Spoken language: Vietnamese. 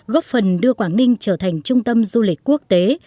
góp phần đưa quảng ninh trở thành trung tâm du lịch quốc tế